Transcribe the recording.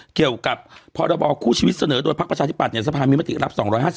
เกี่ยวกับพรบคู่ชีวิตเสนอโดยพักประชาธิปัตย์สภามีมติรับ๒๕๔